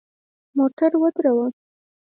موټر ودروه !